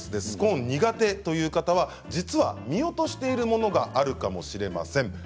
スコーンが苦手という方は実は見落としているものがあるかもしれません。